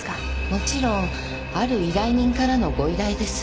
もちろんある依頼人からのご依頼です。